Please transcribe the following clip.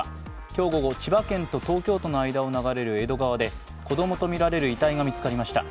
今日午後、千葉県と東京都の間を流れる江戸川で子供とみられる遺体が見つかりました。